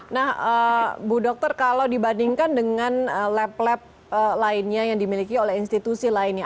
nah bu dokter kalau dibandingkan dengan lab lab lainnya yang dimiliki oleh institusi lainnya